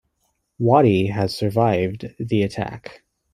Watie had survived the attack.